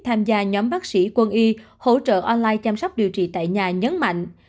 tham gia nhóm bác sĩ quân y hỗ trợ online chăm sóc điều trị tại nhà nhấn mạnh